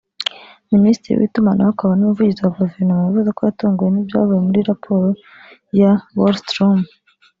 minisitiri w’itumanaho akaba n’umuvugizi wa guverinoma yavuze ko yatunguwe n’ibyavuye muri iyi raporo ya Wallström